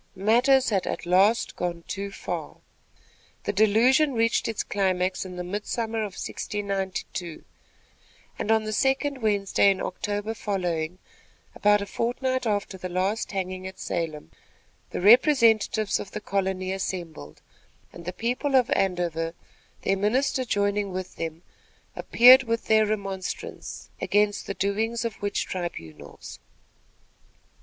Matters had at last gone too far. The delusion reached its climax in the midsummer of 1692, and on the second Wednesday in October following, about a fortnight after the last hanging at Salem, the representatives of the colony assembled, and the people of Andover, their minister joining with them, appeared with their remonstrance against the doings of witch tribunals.